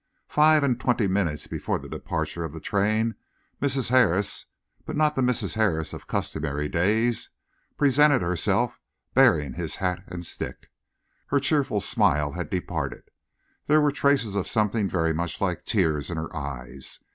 Five and twenty minutes before the departure of the train, Mrs. Harris but not the Mrs. Harris of customary days presented herself, bearing his hat and stick. Her cheerful smile had departed. There were traces of something very much like tears in her eyes.